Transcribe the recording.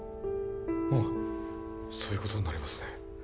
まあそういうことになりますね